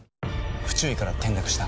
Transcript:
不注意から転落した。